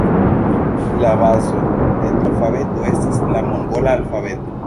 La bazo de tiu alfabeto estas la mongola alfabeto.